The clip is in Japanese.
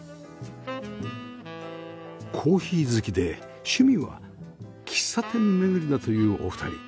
コーヒー好きで趣味は喫茶店巡りだというお二人